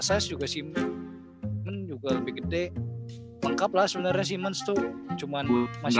size juga simen juga lebih gede lengkap lah sebenarnya simen stu cuman udah aja kan saya